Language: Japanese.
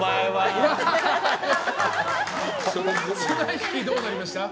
綱引き、どうなりました？